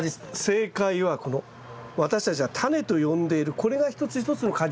正解はこの私たちがタネと呼んでいるこれが一つ一つの果実なんです。